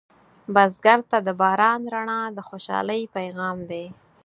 بزګر ته د باران رڼا د خوشحالۍ پیغام دی